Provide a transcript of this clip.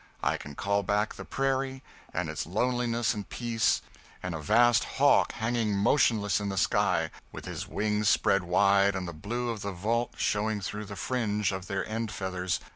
I can call back the prairie, and its loneliness and peace, and a vast hawk hanging motionless in the sky, with his wings spread wide and the blue of the vault showing through the fringe of their end feathers.